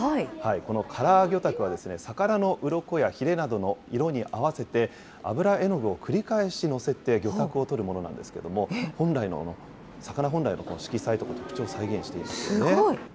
このカラー魚拓は、魚のうろこやひれなどの色に合わせて、油絵の具を繰り返し載せて、魚拓をとるものなんですけれども、本来の、魚本来の色彩とか特徴を再現しているんですね。